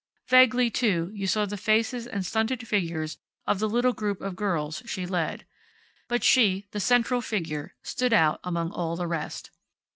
Vaguely, too, you saw the faces and stunted figures of the little group of girls she led. But she, the central figure, stood out among all the rest.